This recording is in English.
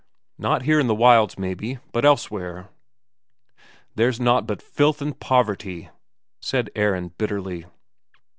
"Not here in the wilds, maybe, but elsewhere." "Here's naught but filth and poverty," said Aron bitterly.